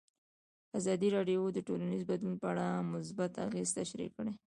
ازادي راډیو د ټولنیز بدلون په اړه مثبت اغېزې تشریح کړي.